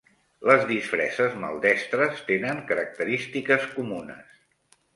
Les disfresses maldestres tenen característiques comunes.